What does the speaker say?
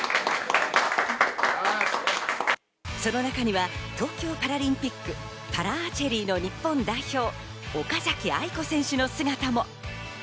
その中には東京パラリンピック、パラアーチェリーの日本代表、岡崎愛子選手の姿も。